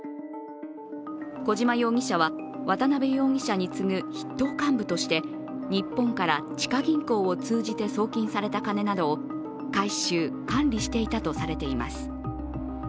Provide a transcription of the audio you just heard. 小島容疑者は渡辺容疑者に次ぐ筆頭幹部として日本から地下銀行を通じて送金された金などを回収・管理していたとされています